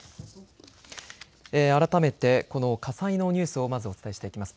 改めてこの火災のニュースをまず、お伝えしていきます。